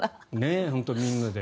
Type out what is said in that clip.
本当にみんなで。